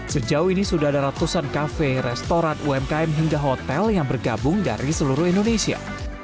sejauh ini sudah ada ratusan kafe restoran umkm hingga hotel yang bergabung dari seluruh indonesia